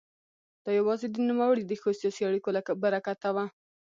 دا یوازې د نوموړي د ښو سیاسي اړیکو له برکته وه.